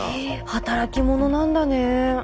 働き者なんだね。